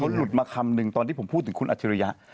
เขาหลุดมาคำนึงตอนที่ผมพูดถึงคุณอัศยะ